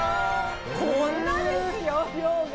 こんなですよ量が！